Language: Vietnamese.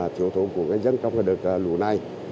thiếu thống của dân trong lúc này